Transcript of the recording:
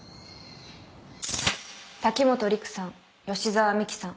滝本陸さん吉沢未希さん。